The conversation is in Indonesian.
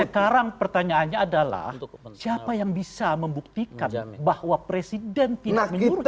nah sekarang pertanyaannya adalah siapa yang bisa membuktikan bahwa presiden tidak menurut itu